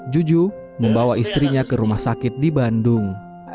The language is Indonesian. juju membawa istrinya ke rumah sakit di bandung